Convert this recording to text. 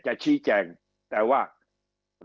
คำอภิปรายของสอสอพักเก้าไกลคนหนึ่ง